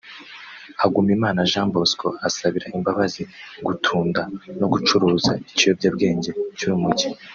Hagumimana Jean Bosco asabira imbabazi gutunda no gucuruza ikiyobyabwenge cy’urumogi